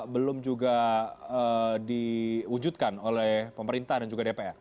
belum juga diwujudkan oleh pemerintah dan juga dpr